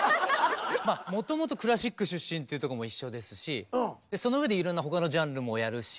もともとクラシック出身っていうとこも一緒ですしそのうえでいろんな他のジャンルもやるし。